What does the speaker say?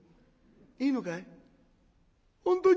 いいのかい？